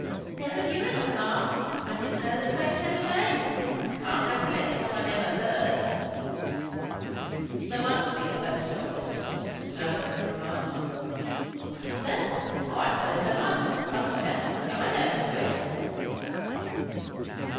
"Never knew it, mamma. I didn't know the place had a name. I can't recollect what I never heard." "There must be a post office," Mr. Southwode remarked. "Must there? O I suppose there must, somewhere; but I don't know it."